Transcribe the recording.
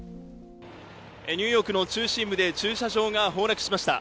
ニューヨークの中心部で駐車場が崩落しました。